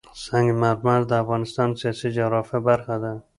سنگ مرمر د افغانستان د سیاسي جغرافیه برخه ده.